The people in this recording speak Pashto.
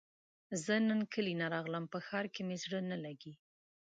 زۀ نن کلي نه راغلم په ښار کې مې زړه نه لګي